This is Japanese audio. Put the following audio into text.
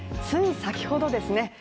つい先ほどですね